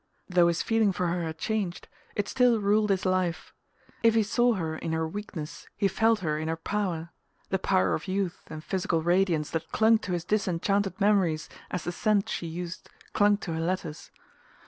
Though his feeling for her had changed, it still ruled his life. If he saw her in her weakness he felt her in her power: the power of youth and physical radiance that clung to his disenchanted memories as the scent she used clung to her letters.